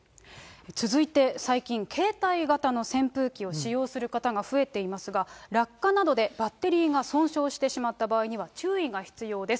続いて、最近、携帯型の扇風機を使用する方が増えていますが、落下などでバッテリーが損傷してしまった場合には注意が必要です。